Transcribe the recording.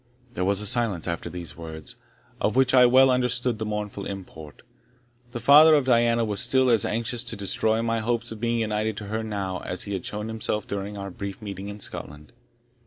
There was a silence after these words, of which I well understood the mournful import. The father of Diana was still as anxious to destroy my hopes of being united to her now as he had shown himself during our brief meeting in Scotland.